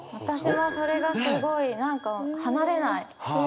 私はそれがすごい何か離れない。